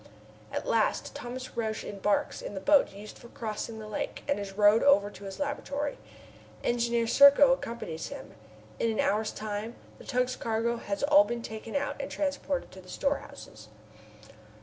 At last Thomas Roch embarks in the boat used for crossing the lake and is rowed over to his laboratory. Engineer Serko accompanies him. In an hour's time the tug's cargo has all been taken out and transported to the storehouses.